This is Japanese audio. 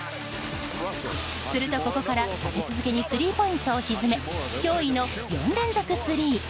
するとここから立て続けにスリーポイントを沈め驚異の４連続スリー。